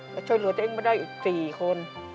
แล้วช่วยเหลือตัวเองมาได้อีก๔คน